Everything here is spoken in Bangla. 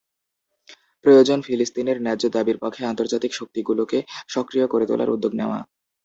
প্রয়োজন ফিলিস্তিনের ন্যায্য দাবির পক্ষে আন্তর্জাতিক শক্তিগুলোকে সক্রিয় করে তোলার উদ্যোগ নেওয়া।